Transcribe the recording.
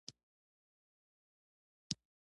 د غرمې سیوری ړنګ و.